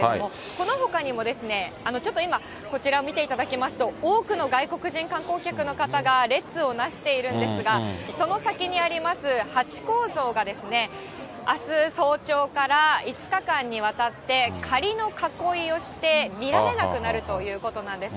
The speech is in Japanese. このほかにも、ちょっと今、こちらを見ていただきますと、多くの外国人観光客の方が列をなしているんですが、その先にありますハチ公像がですね、あす早朝から５日間にわたって、仮の囲いをして見られなくなるということなんです。